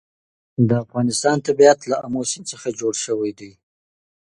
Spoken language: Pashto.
د افغانستان طبیعت له آمو سیند څخه جوړ شوی دی.